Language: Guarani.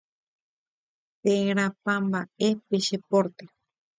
térãpa mba'e pe che pórte